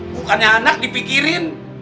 bukannya anak dipikirin